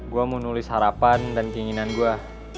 gua mau nulis harapan dan keinginan gua